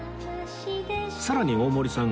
さらに大森さん